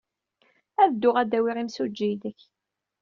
Ad dduɣ ad d-awiɣ imsujji-nnek.